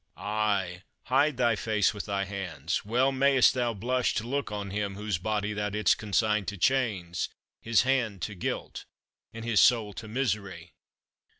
Ay, hide thy face with thy hands; well mayst thou blush to look on him whose body thou didst consign to chains, his hand to guilt, and his soul to misery.